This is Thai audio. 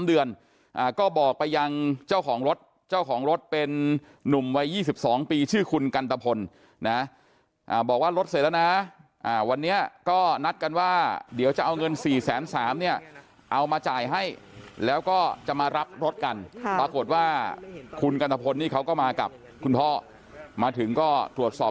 ก็บอกไปยังเจ้าของรถเจ้าของรถเป็นนุ่มวัย๒๒ปีชื่อคุณกันตะพลนะบอกว่ารถเสร็จแล้วนะวันนี้ก็นัดกันว่าเดี๋ยวจะเอาเงิน๔๓๐๐เนี่ยเอามาจ่ายให้แล้วก็จะมารับรถกันปรากฏว่าคุณกันตะพลนี่เขาก็มากับคุณพ่อมาถึงก็ตรวจสอบ